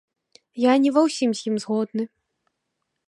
Я не ва ўсім з ім згодны.